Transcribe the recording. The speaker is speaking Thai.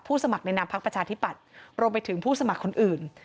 สมัครในนามพักประชาธิปัตย์รวมไปถึงผู้สมัครคนอื่น